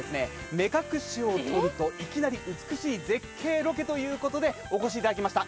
目隠しを取るといきなり美しい絶景ロケということでお越しいただきました